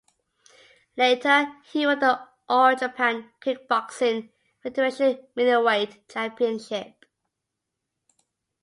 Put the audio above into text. Later, he won the All Japan Kickboxing Federation Middleweight Championship.